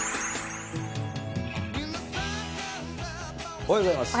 おはようございます。